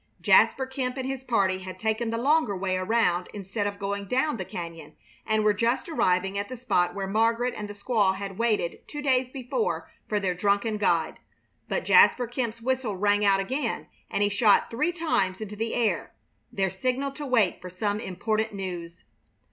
Jasper Kemp and his party had taken the longer way around instead of going down the cañon, and were just arriving at the spot where Margaret and the squaw had waited two days before for their drunken guide. But Jasper Kemp's whistle rang out again, and he shot three times into the air, their signal to wait for some important news.